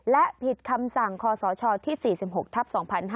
และผิดคำสั่งคศที่๔๖ทับ๒๕๕๙